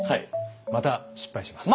また失敗します。